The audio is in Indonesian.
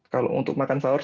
kalau untuk makan sahur